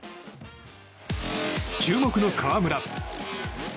注目の河村。